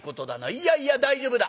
いやいや大丈夫だ。